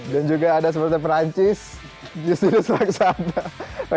dan juga ada supporter perancis justinus laksana